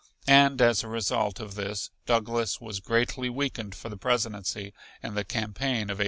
And as a result of this Douglas was greatly weakened for the presidency in the campaign of 1860.